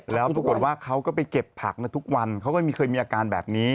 แล้วปรากฏว่าเขาก็ไปเก็บผักทุกวันเขาก็เคยมีอาการแบบนี้